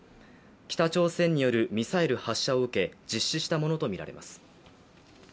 北朝鮮によるミサイル発射を受け実施したものとみられます。